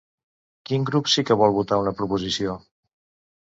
Quin grup sí que vol votar una proposició?